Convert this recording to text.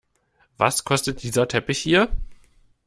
Was kostet dieser Teppich hier?